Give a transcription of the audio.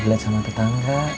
lihat sama tetangga